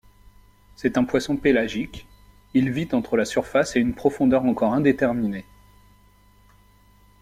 C'est un poisson pélagique, il vit entre la surface et une profondeur encore indéterminée.